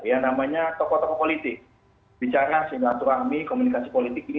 ya namanya tokoh tokoh politik bicara sinil aturahmi komunikasi politik ini